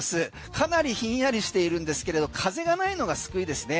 かなりひんやりしているんですけれど風がないのが救いですね。